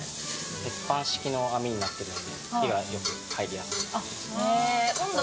鉄板式の網になっているので火は入りやすいです。